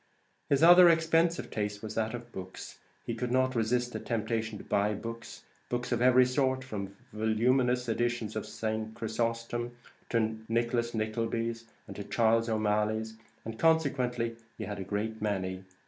His other expensive taste was that of books; he could not resist the temptation to buy books, books of every sort, from voluminous editions of St. Chrysostom to Nicholas Nicklebys and Charles O'Malleys; and consequently he had a great many.